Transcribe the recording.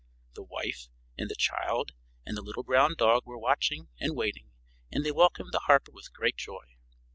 The wife and the child and the little brown dog were watching and waiting, and they welcomed the harper with great joy.